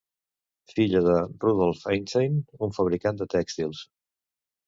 Filla de Rudolf Einstein, un fabricant de tèxtils.